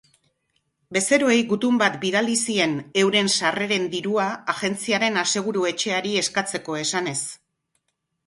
Bezeroei gutun bat bidali zien, euren sarreren dirua agentziaren aseguru-etxeari eskatzeko esanez.